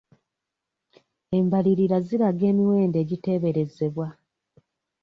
Embalirira ziraga emiwendo egiteeberezebwa.